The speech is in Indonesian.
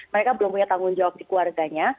mereka belum punya tanggung jawab di keluarganya